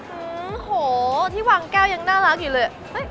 โหที่วางแก้วยังน่ารักอยู่เลย